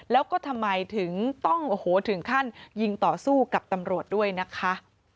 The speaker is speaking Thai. แล้วก็ทำไมถึงต้องโอ้โหถึงขั้นยิงต่อสู้กับตำรวจด้วยนะคะ